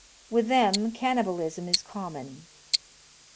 With them, cannibalism is common.